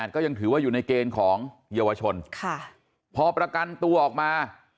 ก็ยังถือว่าอยู่ในเกณฑ์ของเยาวชนพอประกันตัวออกมา